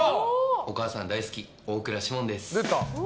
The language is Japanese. お母さん大好き、大倉士門です。